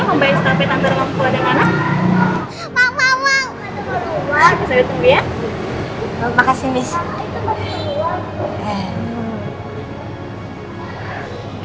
membayar stafet antar langsung ke adem anak